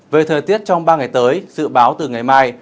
về thời tiết trong ba ngày tới dự báo từ ngày mai